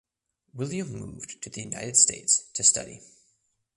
William moved to the United States to study.